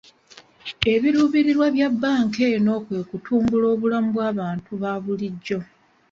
Ebiruubirira bya bbanka eno kwe kutumbula obulamu bw'abantu babulijjo.